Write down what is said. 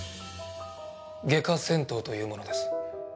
外科剪刀というものです。